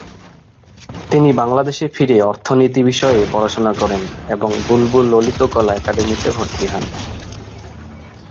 তিনি বাংলাদেশে ফিরে অর্থনীতি বিষয়ে পড়াশোনা করেন এবং বুলবুল ললিতকলা একাডেমীতে ভর্তি হন।